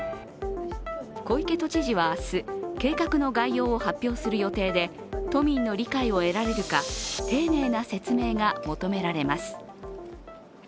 小池都知事は明日計画の概要を発表する予定で都民の理解を得られるか丁寧な説明が求められます。